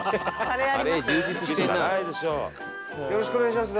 よろしくお願いします。